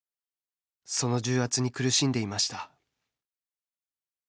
その重圧に苦しんでいました。